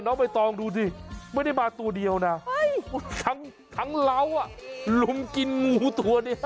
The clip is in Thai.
ใบตองดูสิไม่ได้มาตัวเดียวนะทั้งเล้าลุมกินงูตัวนี้